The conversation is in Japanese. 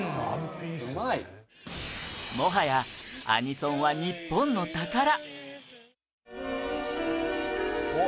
もはや、アニソンは日本の宝伊達：おっ！